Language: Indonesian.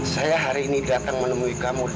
saya hari ini datang menemui kamu